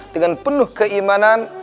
dengan penuh keimanan